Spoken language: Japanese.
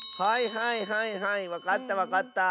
はいはいはいわかったわかった。